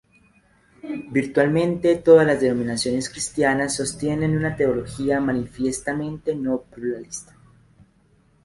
Virtualmente todas las denominaciones cristianas sostienen una teología manifiestamente no-pluralista.